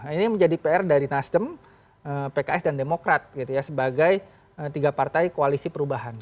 ini menjadi pr dari nasdem pks dan demokrat gitu ya sebagai tiga partai koalisi perubahan